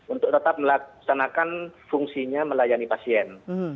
untuk tetap melaksanakan fungsinya melayani pasien